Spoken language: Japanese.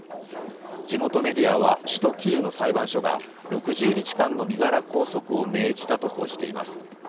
地元メディアは首都キーウの裁判所が６０日間の身柄拘束を命じたと報じています。